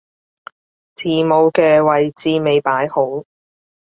字母嘅位置未擺好